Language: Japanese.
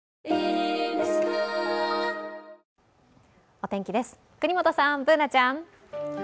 お天気です、國本さん、Ｂｏｏｎａちゃん。